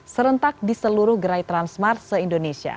serentak di seluruh gerai transmart se indonesia